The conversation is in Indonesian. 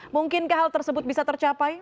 mungkinkah hal tersebut bisa tercapai